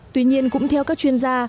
tuy nhiên cũng theo các chuyên gia